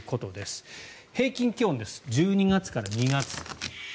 平均気温です１２月から２月。